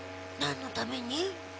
何のために？